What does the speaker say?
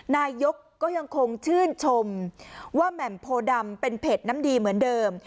นายกก็ยังคงชื่นชมว่าแหม่มโพดำเป็นเพจน้ำดีเหมือนเดิม